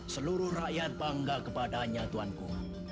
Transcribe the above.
seluruh rakyat bangga kepadanya tuhanku